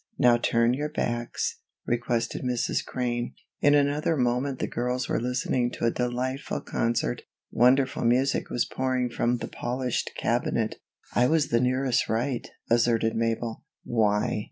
"Now turn your backs," requested Mrs. Crane. In another moment the girls were listening to a delightful concert. Wonderful music was pouring from the polished cabinet. "I was the nearest right," asserted Mabel. "Why!"